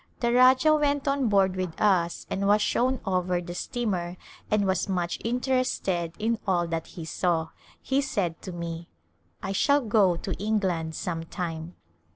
The Rajah went on board with us and was shown over the steamer and was much interested in all that he saw. He said to me, " I shall go to England some time."